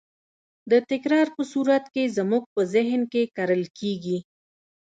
د تکرار په صورت کې زموږ په ذهن کې کرل کېږي.